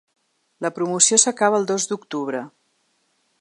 La promoció s’acaba el dos d’octubre.